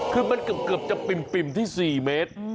คือมันเกือบจะปิ่มที่๔เมตร